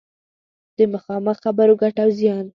د مخامخ خبرو ګټه او زیان